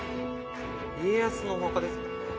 家康のお墓ですもんね